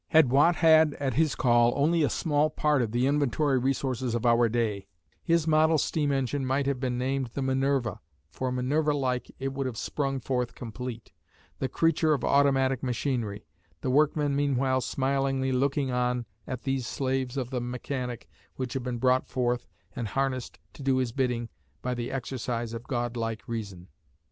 Had Watt had at his call only a small part of the inventory resources of our day, his model steam engine might have been named the Minerva, for Minerva like, it would have sprung forth complete, the creature of automatic machinery, the workmen meanwhile smilingly looking on at these slaves of the mechanic which had been brought forth and harnessed to do his bidding by the exercise of godlike reason.